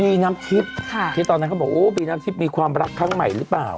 น้ำทิพย์ที่ตอนนั้นเขาบอกโอ้บีน้ำทิพย์มีความรักครั้งใหม่หรือเปล่า